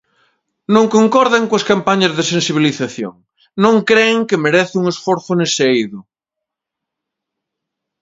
Non concordan coas campañas de sensibilización, non cren que merece un esforzo nese eido.